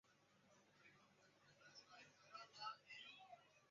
大明永和至此结束。